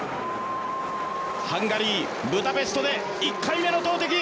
ハンガリー・ブダペストで１回目の投てき。